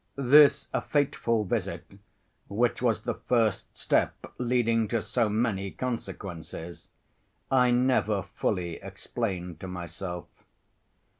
This fateful visit, which was the first step leading to so many consequences, I never fully explained to myself.